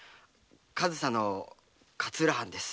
上総の勝浦藩です。